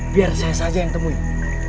biar saya saja yang temuin